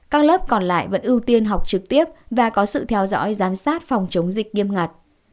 các lớp còn lại vẫn ưu tiên học trực tiếp và có sự theo dõi giám sát phòng chống dịch nghiêm ngặt